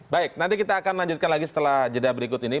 baik nanti kita akan lanjutkan lagi setelah jeda berikut ini